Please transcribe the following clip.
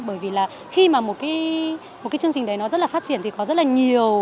bởi vì là khi mà một cái chương trình đấy nó rất là phát triển thì có rất là nhiều